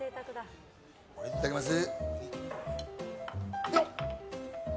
いただきます。